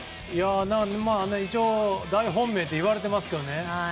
一応、大本命っていわれてますよね。